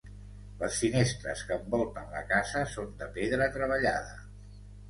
Les finestres que envolten la casa són de pedra treballada.